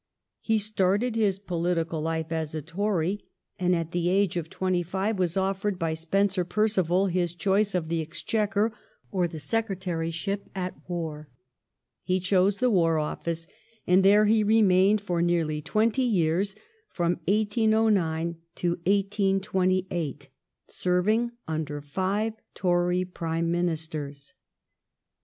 He started his political life as a Tory, and at the age of twenty five was offered by Spencer Perceval his choice of the Exchequer or the Secretaryship at Warr^ He chose the War Office, and there he remained for nearly twenty years (1809 1828), serving under five Tory Prime Ministers.